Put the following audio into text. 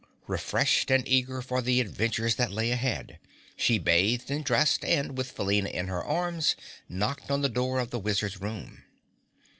Refreshed and eager for the adventures that lay ahead, she bathed and dressed and, with Felina in her arms, knocked on the door of the Wizard's room.